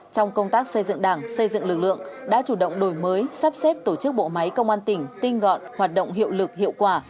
trong công tác xây dựng đảng xây dựng lực lượng đã chủ động đổi mới sắp xếp tổ chức bộ máy công an tỉnh tinh gọn hoạt động hiệu lực hiệu quả